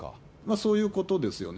そういうことですよね。